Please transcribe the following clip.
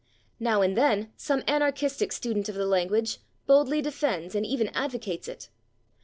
Now and then some anarchistic student of the language boldly defends and even advocates it.